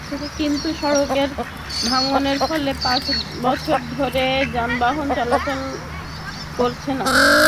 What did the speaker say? কিন্তু সড়কের ভাঙনের ফলে পাঁচ বছর ধরে যানবাহন চলাচল করছে না।